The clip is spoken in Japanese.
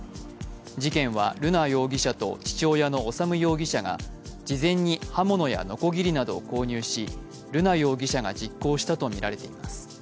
事件は瑠奈容疑者と父親の修容疑者が事前に刃物やのこぎりなどを購入し、瑠奈容疑者が実行したとみられています。